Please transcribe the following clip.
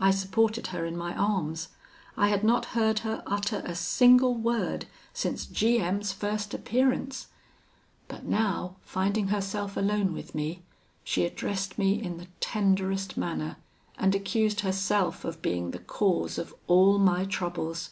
I supported her in my arms. I had not heard her utter a single word since G M 's first appearance: but now, finding herself alone with me, she addressed me in the tenderest manner, and accused herself of being the cause of all my troubles.